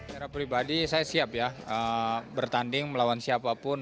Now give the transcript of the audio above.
secara pribadi saya siap ya bertanding melawan siapapun